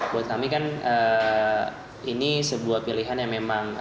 buat kami kan ini sebuah pilihan yang memang